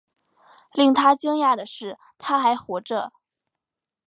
令他讶异的是她还活着